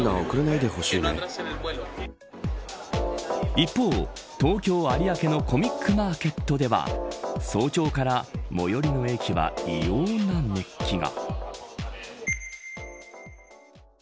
一方、東京・有明のコミックマーケットでは早朝から最寄りの駅は異様な熱気が。